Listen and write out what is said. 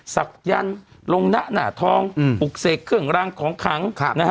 ศักยันต์ลงหน้าหนาทองปลูกเสกเครื่องรางของขัง